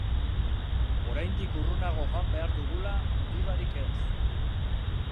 Oraindik urrunago joan behar dugula, dudarik ez.